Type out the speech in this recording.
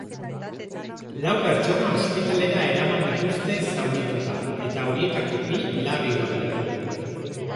Lau pertsona ospitalera eraman dituzte, zaurituta, eta horietako bi larri daude.